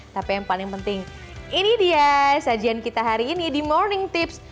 tapi yang paling penting ini dia sajian kita hari ini di morning tips